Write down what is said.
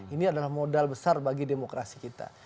ini adalah modal besar bagi demokrasi kita